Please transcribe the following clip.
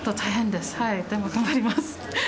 でも、頑張ります。